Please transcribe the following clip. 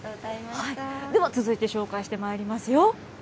では続いて紹介してまいりますよ。